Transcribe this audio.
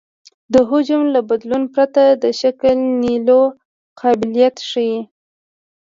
د حجم له بدلون پرته د شکل نیولو قابلیت ښیي